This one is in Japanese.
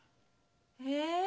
へえ